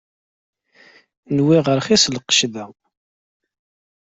Nwiɣ-as rxis lqecc da.